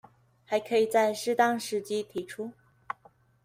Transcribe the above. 還可以在適當時機提出